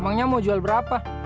emangnya mau jual berapa